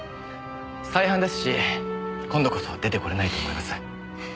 再犯ですし今度こそ出て来れないと思います。